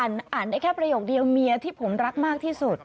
อ่านได้แค่ประโยคเดียวเมียที่ผมรักมากที่สุด